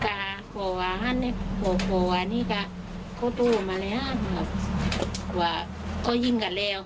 หัวคุ้มกลัวยึ่งกับแล้ว